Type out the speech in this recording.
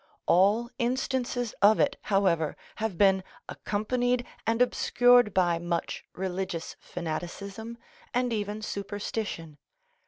All instances of it, however, have been accompanied and obscured by much religious fanaticism, and even superstition.